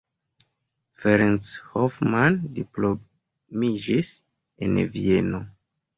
Ferenc Hoffmann diplomiĝis en Vieno.